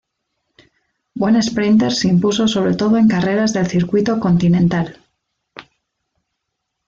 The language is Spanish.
Buen sprinter se impuso sobre todo en carreras del circuito continental.